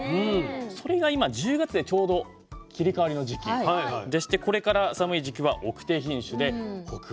それが今１０月でちょうど切り替わりの時期でしてこれから寒い時期は晩生品種でホクホクと。